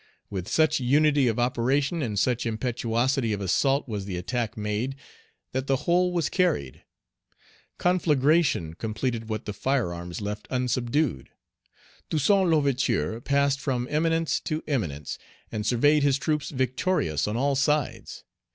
With such unity of operation and such impetuosity of assault was the attack made that the whole was Page 86 carried. Conflagration completed what the firearms left unsubdued. Toussaint L'Ouverture passed from eminence to eminence, and surveyed his troops victorious on all sides.